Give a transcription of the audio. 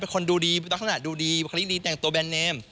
เป็นคนดูดีลักษณะดูดีคลิกดีแต่อย่างตัวแบรนด์เนม